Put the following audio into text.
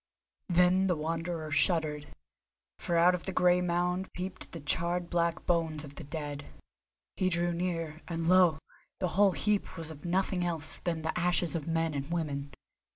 Then the Wanderer shuddered, for out of the grey mound peeped the charred black bones of the dead. He drew near, and, lo! the whole heap was of nothing else than the ashes of men and women.